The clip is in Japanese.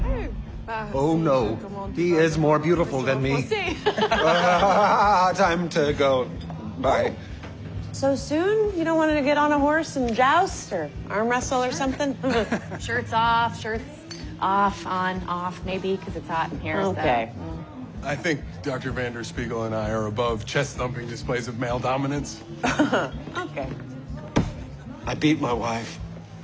はい？